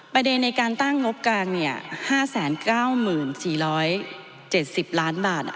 ประเด็นในการตั้งงบกลางเนี่ย๕๙๔๗๐ล้านบาท